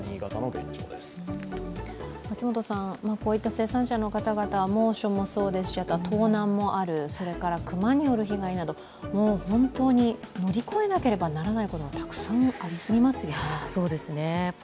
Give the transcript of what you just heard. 生産者の方々、猛暑もそうですし、盗難もある、それから熊による被害など乗り越えなければならないことがたくさんありすぎますよね。